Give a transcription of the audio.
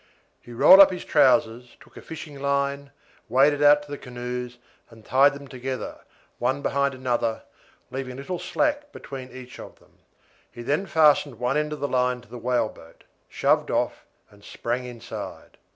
He rolled up his trousers, took a fishing line, waded out to the canoes, and tied them together, one behind another, leaving a little slack line between each of them. He then fastened one end of the line to the whaleboat, shoved off, and sprang inside.